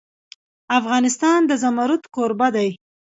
افغانستان د زمرد کوربه دی.